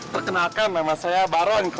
perkenalkan nama saya baron